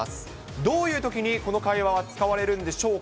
どういうときに、この会話は使われるんでしょうか。